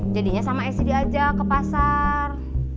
jadinya sama esy diajak ke pasar